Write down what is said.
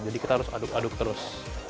jadi kita harus aduk aduk terus